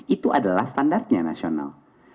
itu adalah standarnya nasional